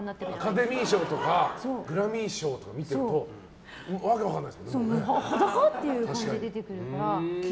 アカデミー賞とかグラミー賞とか見てると裸？ってい感じで出てるから。